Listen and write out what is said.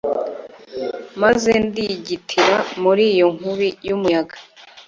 maze ndigitira muri iyo nkubi y'umuyaga